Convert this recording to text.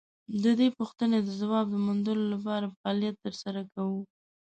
د دې پوښتنې د ځواب د موندلو لپاره فعالیت تر سره کوو.